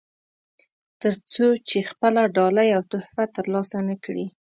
تر څو چې خپله ډالۍ او تحفه ترلاسه نه کړي.